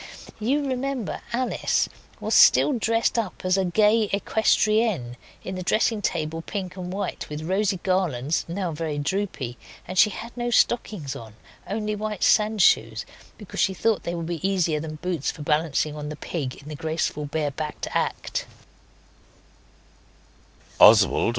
You remember Alice was still dressed up as the gay equestrienne in the dressing table pink and white, with rosy garlands, now very droopy, and she had no stockings on, only white sand shoes, because she thought they would be easier than boots for balancing on the pig in the graceful bare backed act.